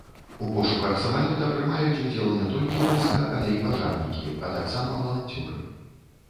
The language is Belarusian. У пошуках самалёта прымаюць удзел не толькі войска, але і пажарнікі, а таксама валанцёры.